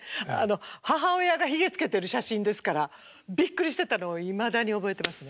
母親がヒゲつけてる写真ですからびっくりしてたのをいまだに覚えてますね。